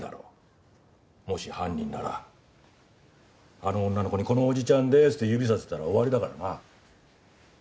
もし犯人ならあの女の子に「このおじちゃんです」って指さされたら終わりだからな。